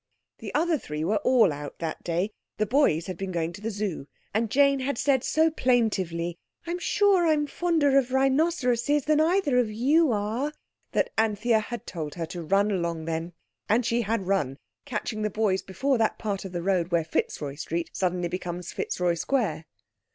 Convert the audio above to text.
The other three were all out that day. The boys had been going to the Zoo, and Jane had said so plaintively, "I'm sure I am fonder of rhinoceroses than either of you are," that Anthea had told her to run along then. And she had run, catching the boys before that part of the road where Fitzroy Street suddenly becomes Fitzroy Square.